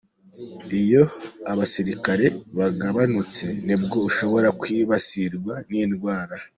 Iyo abasirikare bagabanutse, nibwo ushobora kwibasirwa n’indwara.